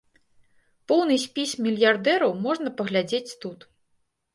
Поўны спіс мільярдэраў можна паглядзець тут.